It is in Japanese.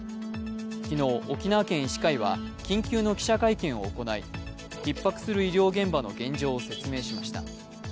昨日、沖縄県医師会は緊急の記者会見を行い、ひっ迫する医療現場の現状を説明しました。